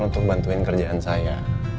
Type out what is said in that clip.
untuk bantuin kerjaan saya